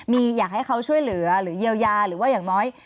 มีอยากให้เขาช่วยเหลือหรือเยียวยาหรือว่าอย่างน้อย